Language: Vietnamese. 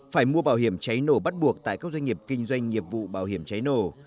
phải mua bảo hiểm cháy nổ bắt buộc tại các doanh nghiệp kinh doanh nghiệp vụ bảo hiểm cháy nổ